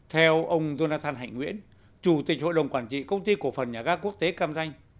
theo ông jonathan hạnh nguyễn chủ tịch hội đồng quản trị công ty cổ phần nhà gác quốc tế cam thanh